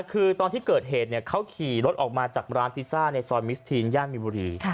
คือตอนที่เกิดเหตุเขาขี่รถออกมาจากร้านพิซซ่าในซอยมิสทีนย่านมินบุรี